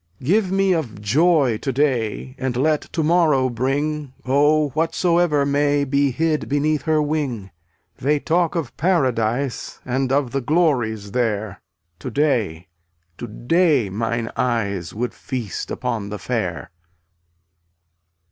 267 Give me of joy to day And let to morrow bring, Oh, whatsoever may Be hid beneath her wing. They talk of paradise And of the glories there; To day, to day mine eyes Would feast upon the fair.